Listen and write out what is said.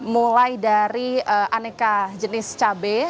mulai dari aneka jenis cabai